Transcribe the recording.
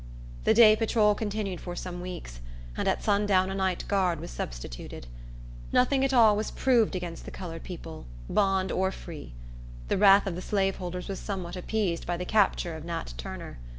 The day patrol continued for some weeks, and at sundown a night guard was substituted. Nothing at all was proved against the colored people, bond or free. The wrath of the slaveholders was somewhat appeased by the capture of Nat Turner.